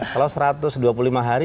kalau lebih dari seratus hari